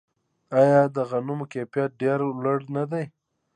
آیا د غنمو کیفیت ډیر لوړ نه دی؟